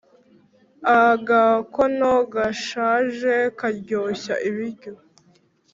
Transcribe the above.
Agakono gashaje karyoshya ibiryo